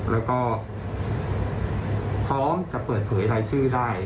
แล้วก็พร้อมจะเปิดเผยรายชื่อได้